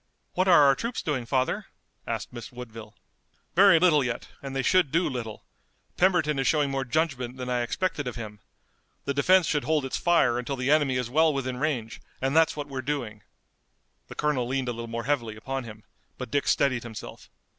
"What are our troops doing, father?" asked Miss Woodville. "Very little yet, and they should do little. Pemberton is showing more judgment than I expected of him. The defense should hold its fire until the enemy is well within range and that's what we're doing!" The colonel leaned a little more heavily upon him, but Dick steadied himself.